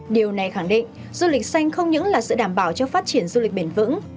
điều này khẳng định du lịch xanh không những là sự đảm bảo cho phát triển du lịch bền vững